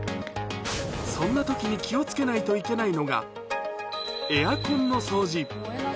そんなときに気をつけないといけないのが、エアコンの掃除。